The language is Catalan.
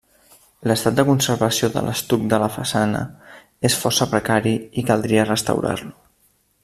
L'estat de conservació de l'estuc de la façana és força precari i caldria restaurar-lo.